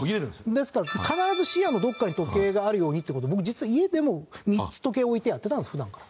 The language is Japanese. ですから必ず視野のどこかに時計があるようにって事を僕は実は家でも３つ時計を置いてやってたんです普段から。